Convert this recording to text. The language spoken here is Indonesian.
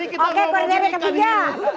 oke gue nyari ketiga